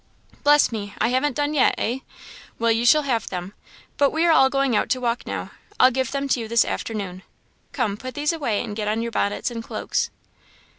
"Bless me! I haven't done yet, eh? Well, you shall have them; but we are all going out to walk now; I'll give them to you this afternoon. Come! put these away, and get on your bonnets and cloaks."